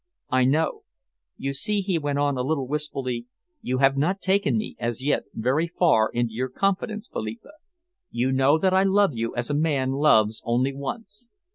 "I know. You see," he went on, a little wistfully, "you have not taken me, as yet, very far into your confidence, Philippa. You know that I love you as a man loves only once.